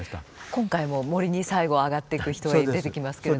今回も森に最後あがっていく人が出てきますけれどね。